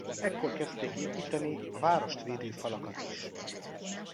Ekkor kezdték építeni a várost védő falakat is.